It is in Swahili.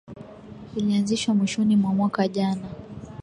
Ilianzishwa mwishoni mwa mwaka jana